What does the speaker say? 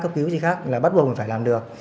cấp cứu gì khác là bắt buộc phải làm được